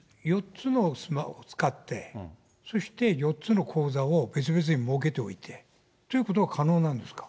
４つのスマホを使って、そして４つの口座を別々に設けておいてということは可能なんですか？